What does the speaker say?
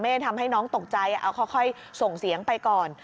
ทำให้น้องตกใจเอาค่อยส่งเสียงไปก่อน